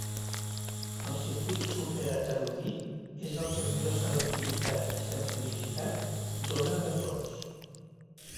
El circuit superheterodí és el que millor selectivitat i sensibilitat dóna de tots.